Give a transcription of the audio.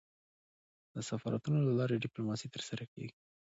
د سفارتونو له لاري ډيپلوماسي ترسره کېږي.